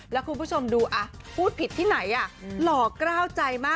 แล้วคุณผู้ชมดูพูดผิดที่ไหนหล่อกล้าวใจมาก